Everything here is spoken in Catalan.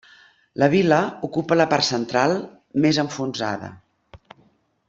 La vila ocupa la part central, més enfonsada.